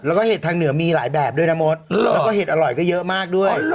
แล้วก็เห็ดทางเหนือมีหลายแบบด้วยนะมดแล้วก็เห็ดอร่อยก็เยอะมากด้วย